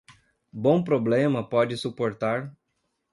Bom problema pode suportar